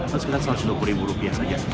terus kita satu ratus dua puluh ribu rupiah saja